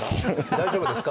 大丈夫ですか？